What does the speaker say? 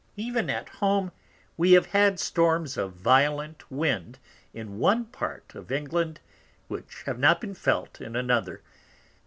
Even at home we have had Storms of violent Wind in one part of England which have not been felt in another.